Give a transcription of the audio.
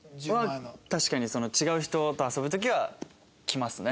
確かに違う人と遊ぶ時は着ますね。